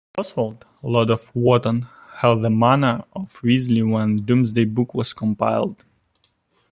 Oswold, lord of Wotton held the manor of Wisley when Domesday Book was compiled.